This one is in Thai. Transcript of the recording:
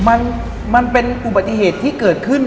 มันเป็นอุบัติเหตุที่เกิดขึ้น